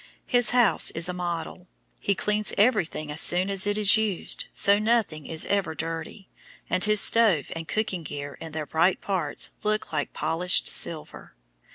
His house is a model. He cleans everything as soon as it is used, so nothing is ever dirty, and his stove and cooking gear in their bright parts look like polished silver.